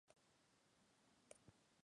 Y en todas volví a nacer.